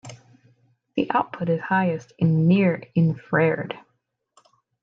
The output is highest in the near infrared.